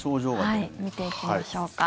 見ていきましょうか。